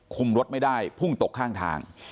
รถไม่ได้พุ่งตกข้างทาง